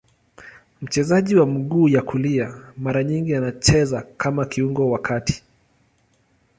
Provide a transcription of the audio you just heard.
Mchezaji wa mguu ya kulia, mara nyingi anacheza kama kiungo wa kati.